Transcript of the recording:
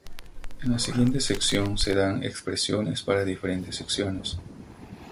En la siguiente sección se dan expresiones para diferentes secciones.